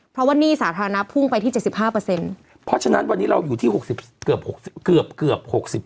เพราะว่าหนี้สาธารณะพุ่งไปที่๗๕เพราะฉะนั้นวันนี้เราอยู่ที่เกือบ๖๐